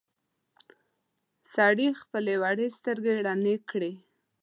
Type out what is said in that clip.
سړي خپلې وړې سترګې رڼې کړې.